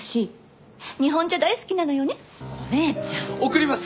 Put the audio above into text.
送ります！